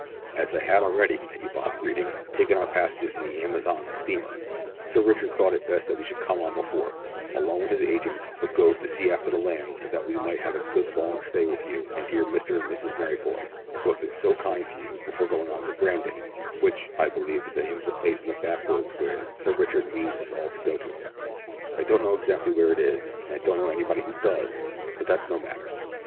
"As I had already," continued Bob, reading, "taken our passages in the Amazon steamer, Sir Richard thought it best that we should come on before, along with his agent, who goes to see after the land, so that we might have a good long stay with you, and dear Mr and Mrs Merryboy, who have been so kind to you, before going on to Brandon which, I believe, is the name of the place in the backwoods where Sir Richard means us all to go to. I don't know exactly where it is and I don't know anybody who does, but that's no matter.